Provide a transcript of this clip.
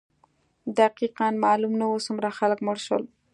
دقیقا معلوم نه وو څومره خلک مړه شول.